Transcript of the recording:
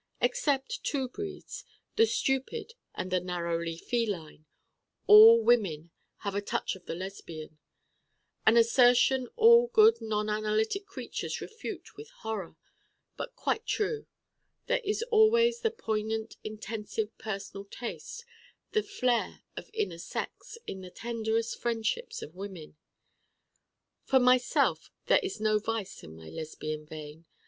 Except two breeds the stupid and the narrowly feline all women have a touch of the Lesbian: an assertion all good non analytic creatures refute with horror, but quite true: there is always the poignant intensive personal taste, the flair of inner sex, in the tenderest friendships of women. For myself, there is no vice in my Lesbian vein.